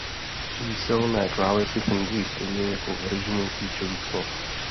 Číselné klávesy fungují stejně jako v režimu klíčových slov.